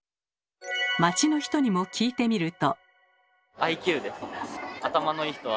街の人にも聞いてみると。